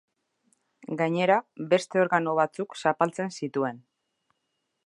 Gainera, beste organo batzuk zapaltzen zituen.